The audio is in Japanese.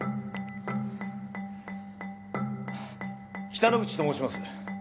北之口と申します。